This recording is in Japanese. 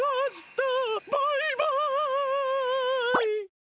バイバイ！